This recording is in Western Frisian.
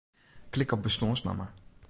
Klik op bestânsnamme.